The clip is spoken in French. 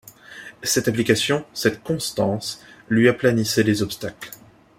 Cette application, cette constance lui aplanissaient les obstacles.